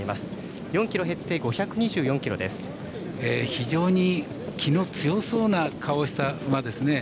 非常に気の強そうな顔をした馬ですね。